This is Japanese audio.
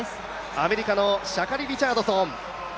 アメリカのシャカリ・リチャードソン。